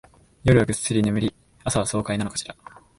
夜はぐっすり眠り、朝は爽快なのかしら